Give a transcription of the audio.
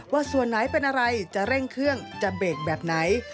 ว่าส่วนไหนเป็นอะไรจะเร่งเครื่องจะเบรกแบบไหน